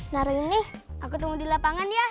nari ini aku tunggu di lapangan ya